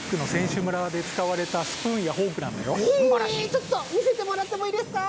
ちょっとみせてもらってもいいですか？